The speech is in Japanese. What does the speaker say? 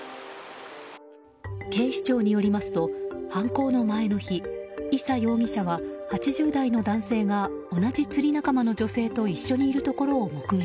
警視庁によりますと犯行の前の日伊佐容疑者は、８０代の男性が同じ釣り仲間の女性と一緒にいるところを目撃。